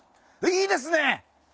いいですね！